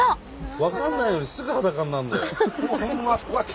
分かんないのにすぐ裸になるんだよ。